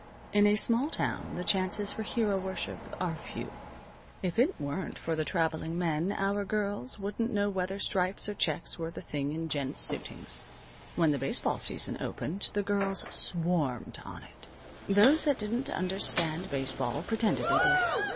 In a small town the chances for hero worship are few. If it weren't for the traveling men our girls wouldn't know whether stripes or checks were the thing in gents' suitings. When the baseball season opened the girls swarmed on it. Those that didn't understand baseball pretended they did.